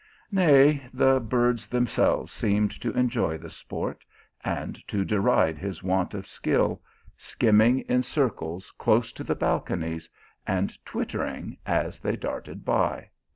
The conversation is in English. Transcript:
Nay, the birds them selves seemed to enjoy the sport, and to deride his want of skill, skimming in circles close to the balconies, and twittering as they darted by.